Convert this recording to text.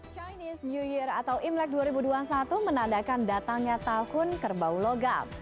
chinese new year atau imlek dua ribu dua puluh satu menandakan datangnya tahun kerbau logam